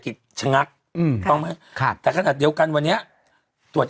กิจชะงักอืมถูกต้องไหมครับแต่ขนาดเดียวกันวันนี้ตรวจ